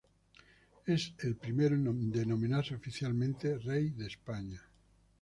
Es el primero en denominarse oficialmente "Rey de España".